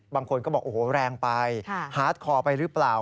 บางคนก็บอกโอ้โหแรงไปฮาร์ดคอไปหรือเปล่า